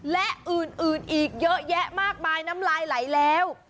และอื่นอีกเยอะแยะมากมายน้ำลายไหลแล้ว